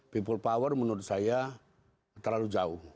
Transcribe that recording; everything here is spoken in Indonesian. people power menurut saya terlalu jauh